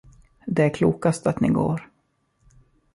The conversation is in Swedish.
Det är klokast att ni går.